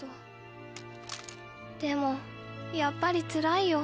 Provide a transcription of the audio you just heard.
でもやっぱりつらいよ」